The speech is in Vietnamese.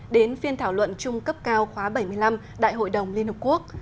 đến phiên thảo luận chung cấp cao khóa bảy mươi năm đại hội đồng liên hợp quốc